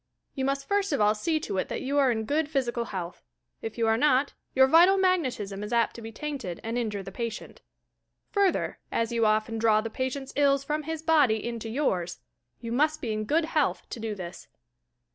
You must first of all see to it that you are in good phj aical health. If you are not, your vital magnetism is apt to be tainted and injure the patient. Further, as you often draw the patient's ills from his body into yours, you must be in good health to do this.